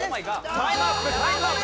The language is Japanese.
タイムアップタイムアップ！